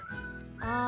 ああ